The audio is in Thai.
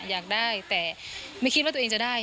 อยากได้แต่ไม่คิดว่าตัวเองจะได้